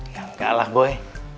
ya nggak lah boy